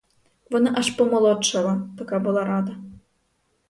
Вона аж помолодшала, така була рада.